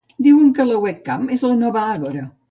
Diuen que la webcam és la nova àgora.